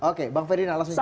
oke bang fede alasannya